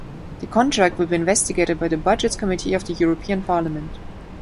The contract will be investigated by the Budgets Committee of the European Parliament.